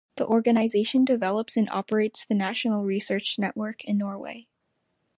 The organization develops and operates the national research network in Norway.